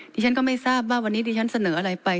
ดิฉันก็ไม่ทราบว่าวันนี้ดิฉันเสนออะไรไป